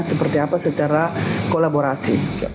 seperti apa secara kolaborasi